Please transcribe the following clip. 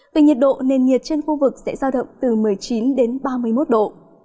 về nhiệt độ nền nhiệt trên khu vực sẽ giao động từ một mươi chín đến ba mươi một độ